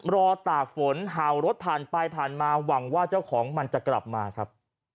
ตากฝนเห่ารถผ่านไปผ่านมาหวังว่าเจ้าของมันจะกลับมาครับ